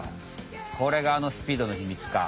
これがあのスピードの秘密か。